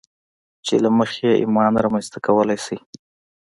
چې له مخې يې ايمان رامنځته کولای شئ.